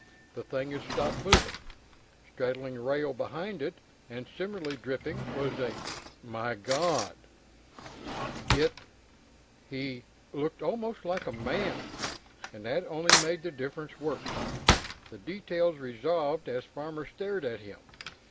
The thing had stopped moving. Straddling the rail behind it, and similarly dripping, was a migawd! It he looked almost like a man, but that only made the difference worse. The details resolved as Farmer stared at him.